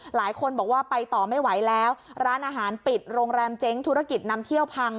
หลายคนบอกว่าไปต่อไม่ไหวแล้วร้านอาหารปิดโรงแรมเจ๊งธุรกิจนำเที่ยวพัง